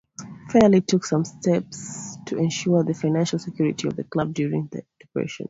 Finlay took steps to ensure the financial security of the club during the depression.